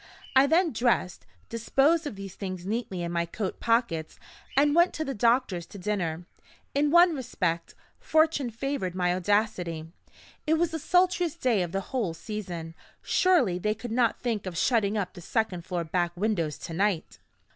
I then dressed, disposed of these things neatly in my coat pockets, and went to the doctor's to dinner. In one respect, Fortune favored my audacity. It was the sultriest day of the whole season surely they could not think of shutting up the second floor back windows to night!